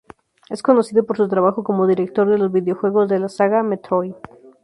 Es conocido por su trabajo como director de los videojuegos de la saga "Metroid".